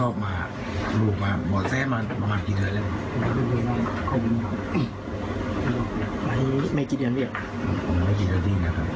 ก็บอกมาว่าเดี๋ยวเขาขี่ตั้งแต่ที่สวัสดี